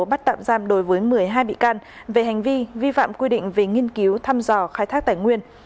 bắt tạm giam đối với một mươi hai bị can về hành vi vi phạm quy định về nghiên cứu thăm dò khai thác tài nguyên